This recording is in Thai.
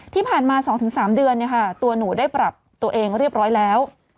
ที่ผ่านมา๒๓เดือนตัวหนูได้ปรับตัวเองเรียบร้อยแล้ว